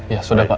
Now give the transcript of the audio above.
ya sudah pak